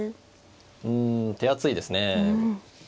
うん手厚いですね。